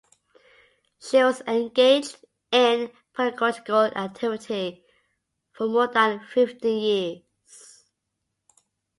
She was engaged in pedagogical activity for more than fifteen years.